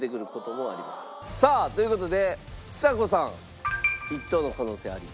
さあという事でちさ子さん１等の可能性あり。